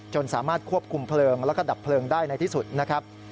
สามารถควบคุมเพลิงแล้วก็ดับเพลิงได้ในที่สุดนะครับ